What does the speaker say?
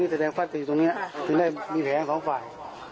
นี่แสดงฟัดกันอยู่ตรงนี้ถึงได้มีแผงของฝ่าย